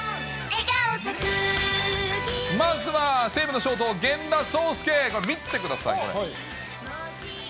まずは西武のショート、源田壮亮。これ見てください。